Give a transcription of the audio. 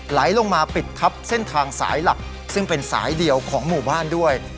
ไหลลงมาปิดทับเส้นทางสายหลักซึ่งเป็นสายเดียวของหมู่บ้านด้วย